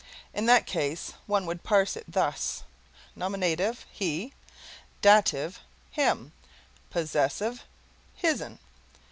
In that case one would parse it thus: nominative, HE; dative, HIM; possessive, HIS'N.